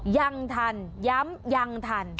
ยังทันย้ำยังทัน